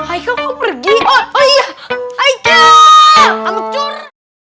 aku udah ampunnya pasiennya